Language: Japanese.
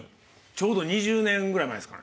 ちょうど２０年ぐらい前ですかね。